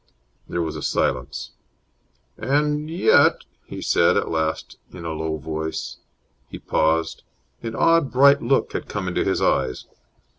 There was a silence. "And yet " he said, at last, in a low voice. He paused. An odd, bright look had come into his eyes.